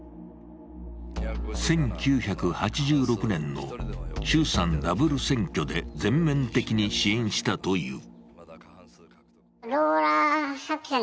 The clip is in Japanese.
１９８６年の衆参ダブル選挙で全面的に支援したという。